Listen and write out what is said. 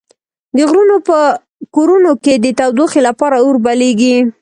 د غرونو په کورونو کې د تودوخې لپاره اور بليږي.